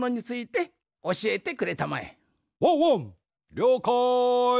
りょうかい。